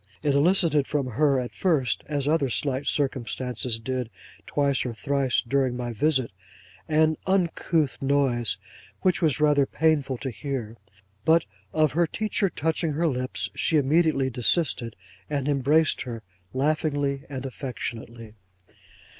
It elicited from her at first, as other slight circumstances did twice or thrice during my visit, an uncouth noise which was rather painful to hear. But of her teacher touching her lips, she immediately desisted, and embraced her laughingly and affectionately.